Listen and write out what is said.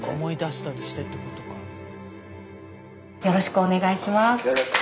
よろしくお願いします。